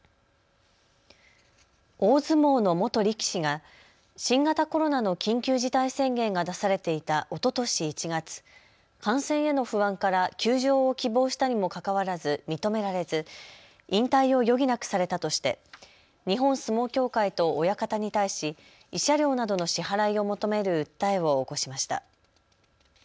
大相撲の元力士が新型コロナの緊急事態宣言が出されていたおととし１月、感染への不安から休場を希望したにもかかわらず認められず引退を余儀なくされたとして日本相撲協会と親方に対し慰謝料などの支払いを求める訴えを起こしました。